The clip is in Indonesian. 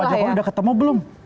eh sama pak jokowi udah ketemu belum